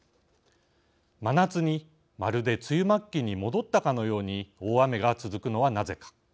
真夏に、まるで梅雨末期に戻ったかのように大雨が続くのはなぜか。